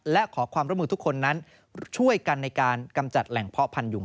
และขอความร่วมมือทุกคนนั้นช่วยกันในการกำจัดแหล่งเพาะพันธุง